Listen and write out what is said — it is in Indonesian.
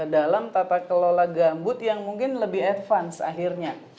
dalam tata kelola gambut yang mungkin lebih advance akhirnya